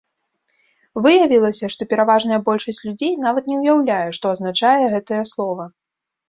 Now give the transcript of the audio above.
Выявілася, што пераважная большасць людзей нават не ўяўляе, што азначае гэтае слова.